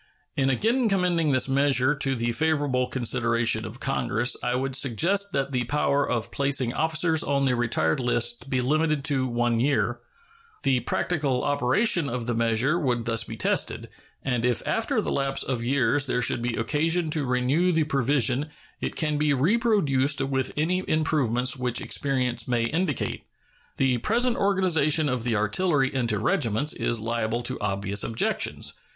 In again commending this measure to the favorable consideration of Congress I would suggest that the power of placing officers on the retired list be limited to one year. The practical operation of the measure would thus be tested, and if after the lapse of years there should be occasion to renew the provision it can be reproduced with any improvements which experience may indicate. The present organization of the artillery into regiments is liable to obvious objections.